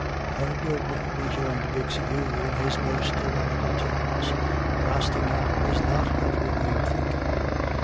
"Very good," rejoined Bixiou in his most ironical tones. "Rastignac was not of your way of thinking.